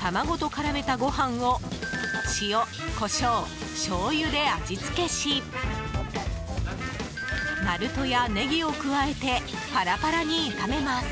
卵と絡めたご飯を塩、コショウしょうゆで味付けしなるとやネギを加えてパラパラに炒めます。